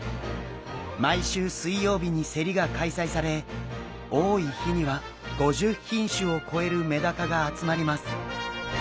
毎週水曜日に競りが開催され多い日には５０品種を超えるメダカが集まります。